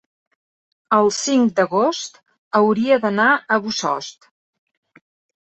el cinc d'agost hauria d'anar a Bossòst.